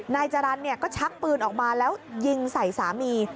นายจรรย์ก็ชักปืนออกมาแล้วยิงใส่สามี